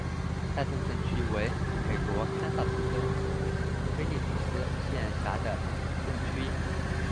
代顿镇区为美国堪萨斯州菲利普斯县辖下的镇区。